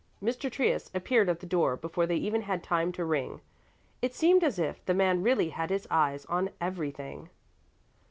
Mr. Trius appeared at the door before they even had time to ring; it seemed as if the man really had his eyes on everything.